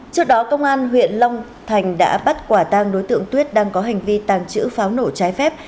trước đó công an huyện long thành đã bắt quả tang đối tượng tuyết đang có hành vi tàng trữ pháo nổ trái phép